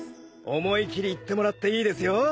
思い切りいってもらっていいですよ。